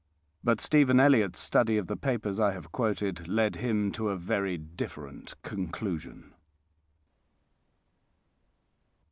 But Stephen Elliott's study of the papers I have quoted led him to a very different conclusion.